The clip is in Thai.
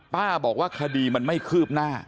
บอกว่าคดีมันไม่คืบหน้า